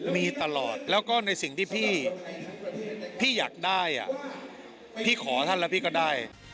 มีตลอดแล้วก็ในสิ่งที่พี่อยากได้พี่ขอท่านแล้วพี่ก็ได้